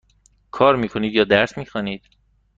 کار می کنید یا درس می خوانید؟